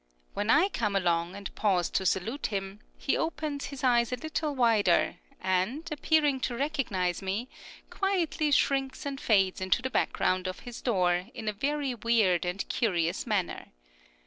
When I come along and pause to salute him, he opens his eyes a little wider, and, appearing to recognize me, quickly shrinks and fades into the background of his door in a very weird and curious manner.